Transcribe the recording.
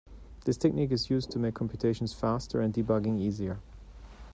This technique is used to make computations faster and debugging easier.